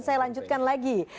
saya lanjutkan lagi